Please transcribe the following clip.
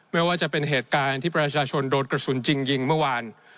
ไม่ว่าจะเป็นเหตุการณ์ที่ประชาชนโดนกระสุนจริงยิงเมื่อวาน